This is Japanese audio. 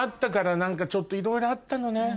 何かちょっといろいろあったのね。